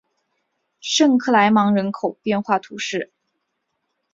圣克莱芒人口变化图示